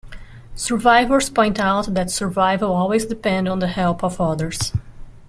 Survivors point out that survival always depended on the help of others.